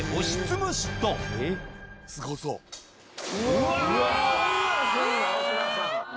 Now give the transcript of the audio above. うわ！